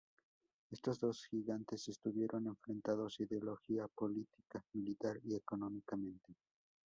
Estos dos gigantes estuvieron enfrentados ideológica, política, militar, y económicamente.